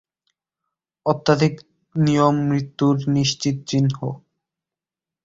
অত্যধিক নিয়ম মৃত্যুর নিশ্চিত চিহ্ন।